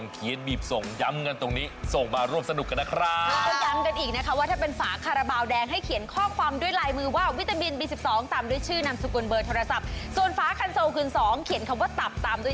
โก๊ยค่ะโก๊ยลุดถูกค่ะคุณตีแรกแค่นี่ละคะคุณโก๊ยอีกค่ะ